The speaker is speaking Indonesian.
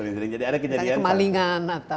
misalnya kemalingan atau